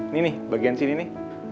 ini nih bagian sini nih